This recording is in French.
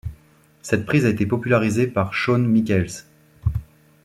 Cette prise a été popularisée par Shawn Michaels.